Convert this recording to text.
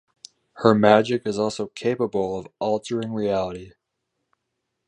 Her magic is also capable of altering reality.